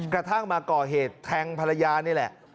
กระทั่งมาก่อเหตุแทงภรรยานี่แหละ